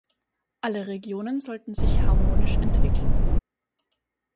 Alle Regionen sollten sich harmonisch entwickeln.